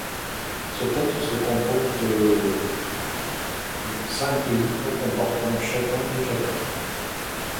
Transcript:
Ce texte se compose de cinq livres comportant chacun deux chapitres.